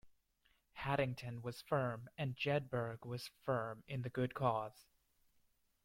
Haddington was firm and Jedburgh was firm in the good cause.